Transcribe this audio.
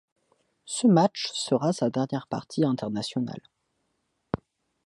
Ce match sera sa dernière partie internationale.